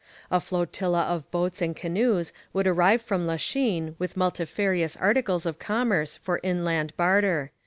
A flotilla of boats and canoes would arrive from Lachine with multifarious articles of commerce for inland barter.